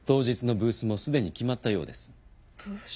ブース。